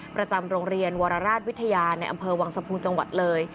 ประจำโรงเรียนวรราชวิทยาในอำเภอวังสะพุงจังหวัดเลย